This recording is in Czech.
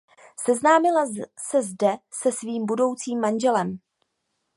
Seznámila se zde se svým budoucím manželem.